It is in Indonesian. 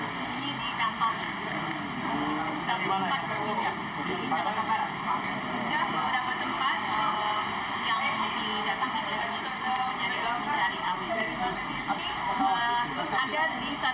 semua yang dilangsung oleh penyihir menteri